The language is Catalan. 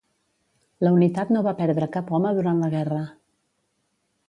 La unitat no va perdre cap home durant la guerra.